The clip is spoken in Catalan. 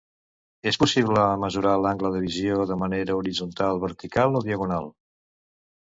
És possible mesurar l'angle de visió de manera horitzontal, vertical o diagonal.